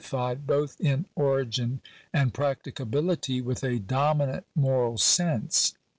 fied, both in origin and practicability, with a dominant moral sense.